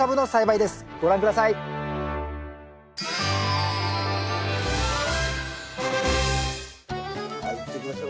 さあいってみましょう。